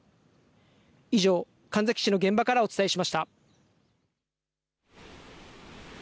以上、神埼市の現場からお伝えしました。